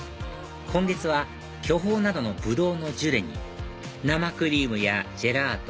今月は巨峰などのブドウのジュレに生クリームやジェラート